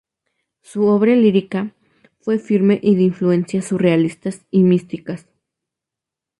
Su obre lírica fue firme y de influencias surrealistas y místicas.